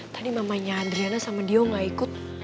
tadi mamanya andriana sama dio gak ikut